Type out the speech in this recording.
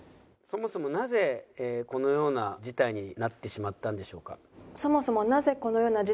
そもそもなぜこのような事態になってしまったのでしょうか？